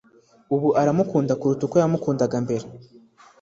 Ubu aramukunda kuruta uko yakundaga mbere.